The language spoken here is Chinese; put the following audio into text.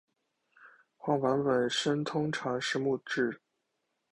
晃板本身通常是木制。